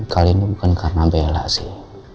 kali ini bukan karena bella sih